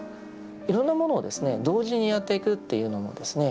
いろんなものを同時にやっていくというのもですね